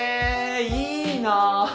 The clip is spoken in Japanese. いいな！